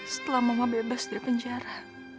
setelah mama bebas dari penjara